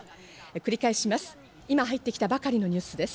繰り返します。